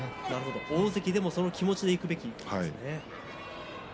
大関でもそんな気持ちでいくべきでしょうね。